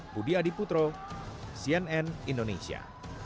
budi adiputro cnn indonesia